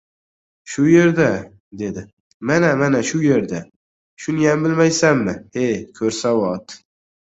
— Shu yerda, — dedi. — Mana, mana shu yerda. Shuniyam bilmaysanmi, he, ko‘rsavod.